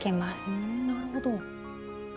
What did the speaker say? ふんなるほど。